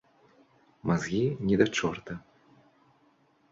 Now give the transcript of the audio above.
Мазгі ні да чорта!